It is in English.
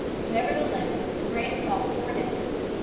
Nevertheless Grant fought four days.